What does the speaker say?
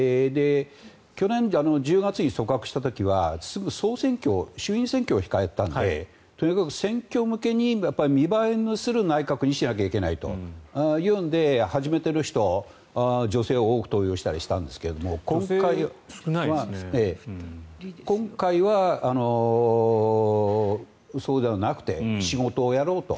去年１０月に組閣した時はすぐ衆院選挙を控えていたのでとにかく選挙向けに見栄えのする内閣にしなきゃいけないというので始めて見る人、女性を多く登用したんですが今回はそうではなくて仕事をやろうと。